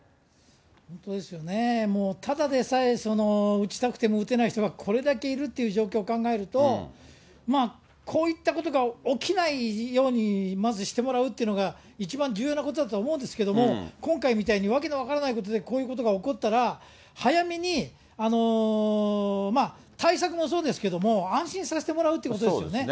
本当ですよね、もうただでさえ打ちたくても打てない人がこれだけいるっていう状況を考えると、こういったことが起きないようにまずしてもらうっていうのが一番重要なことだと思うんですけども、今回みたいに訳の分からないことでこういうことが起こったら、早めに対策もそうですけれども、安心させてもらうってことですよね。